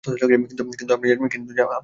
কিন্তু আপনি জানবেন আমি হিন্দু।